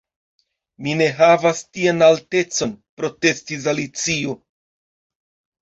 "Mi ne havas tian altecon," protestis Alicio.